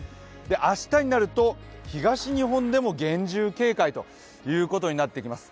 明日になると東日本でも厳重警戒ということになってきます。